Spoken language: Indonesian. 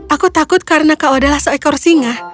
aku takut karena kau adalah seekor singa